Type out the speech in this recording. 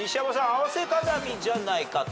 合わせ鏡じゃないかと。